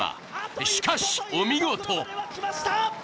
しかし、お見事。